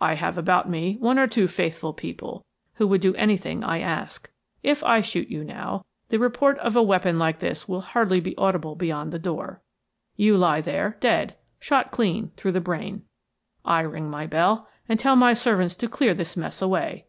I have about me one or two faithful people, who would do anything I ask. If I shoot you now the report of a weapon like this will hardly be audible beyond the door. You lie there, dead, shot clean through the brain. I ring my bell and tell my servants to clear this mess away.